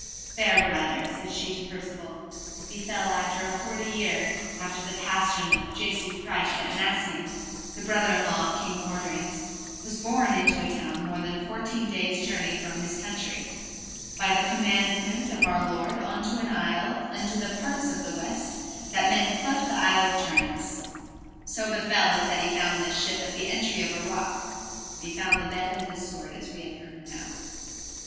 Fair brother, said she to Percivale, it befell after a forty year after the passion of Jesu Christ that Nacien, the brother in law of King Mordrains, was borne into a town more than fourteen days' journey from his country, by the commandment of Our Lord, into an isle, into the parts of the West, that men cleped the Isle of Turnance. So befell it that he found this ship at the entry of a rock, and he found the bed and this sword as we have heard now.